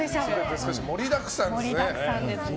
盛りだくさんですね。